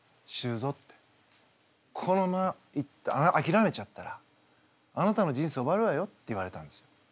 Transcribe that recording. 「このままあきらめちゃったらあなたの人生終わるわよ」って言われたんですよ。